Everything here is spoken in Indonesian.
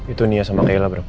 itu nia sama kayla bram